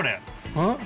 うん？